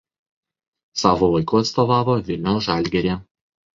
Savo laiku atstovavo Vilniaus „Žalgirį“.